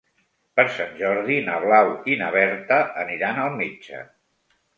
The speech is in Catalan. Per Sant Jordi na Blau i na Berta aniran al metge.